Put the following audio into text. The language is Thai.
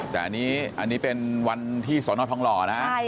ตะโกนเข้าไปเลย